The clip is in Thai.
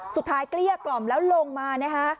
เกลี้ยกล่อมแล้วลงมานะคะ